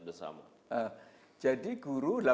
bersama jadi guru